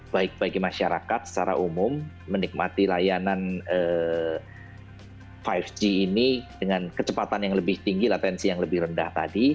baik bagi masyarakat secara umum menikmati layanan lima g ini dengan kecepatan yang lebih tinggi latensi yang lebih rendah tadi